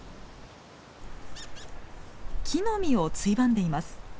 木の実をついばんでいます。